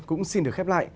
cũng xin được khép lại